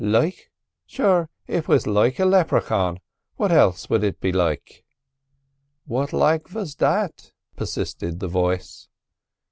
"Like? Sure, it was like a Leprachaun; and what else would it be like?" "What like vas that?" persisted the voice.